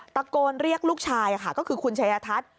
ตะโกนเรียกลูกชายค่ะก็คือคุณชายทัศน์